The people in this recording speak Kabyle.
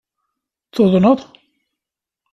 Tuḍneḍ?